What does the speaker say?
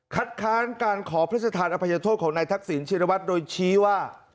ค้านการขอพระราชทานอภัยโทษของนายทักษิณชินวัฒน์โดยชี้ว่า